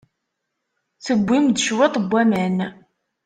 Tewwim-d cwiṭ n waman.